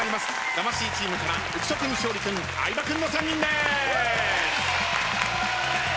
魂チームから浮所君勝利君相葉君の３人です！